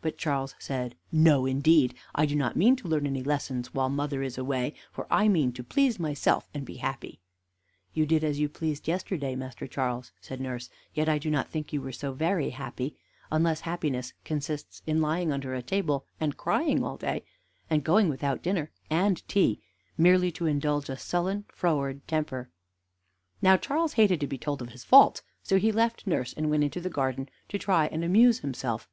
But Charles said, "No, indeed! I do not mean to learn any lessons while mother is away, for I mean to please myself and be happy." "You did as you pleased yesterday, Master Charles," said nurse; "yet I do not think you were so very happy, unless happiness consists in lying under a table and crying all day, and going without dinner and tea, merely to indulge a sullen, froward temper." Now, Charles hated to be told of his faults, so he left nurse, and went into the garden to try and amuse himself.